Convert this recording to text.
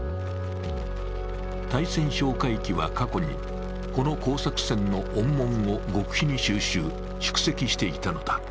対潜哨戒機は過去にこの工作船の音紋を極秘に収集、蓄積していたのだ。